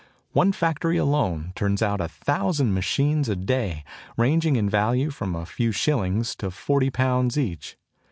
One factory alone turns out a thousand machines a day, ranging in value from a few shillings to forty pounds each.